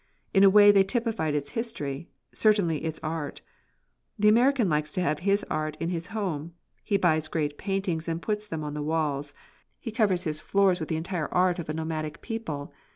In a way they typified its history, certainly its art. The American likes to have his art in his home; he buys great paintings and puts them on the walls. He covers his floors with the entire art of a nomadic people.